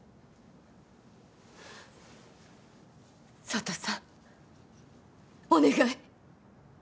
佐都さんお願い。